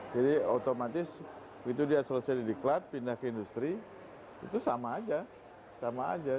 jadi otomatis begitu dia selesai diklat pindah ke industri itu sama aja